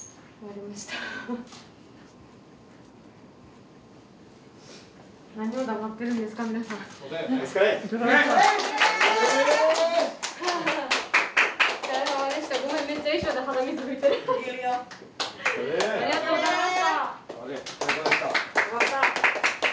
ありがとうございます。